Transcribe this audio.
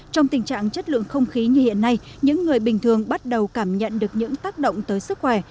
trong tình trạng chất lượng không khí như hiện nay những người bình thường bắt đầu cảm nhận được những tác động tới sức khỏe